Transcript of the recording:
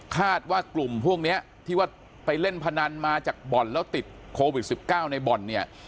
คาดว่ากลุ่มพวกนี้ที่ว่าไปเล่นพนันมาจากบ่อนแล้วติดโควิด๑๙ในบ่อนเนี่ย